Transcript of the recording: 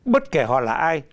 bất kể họ là ai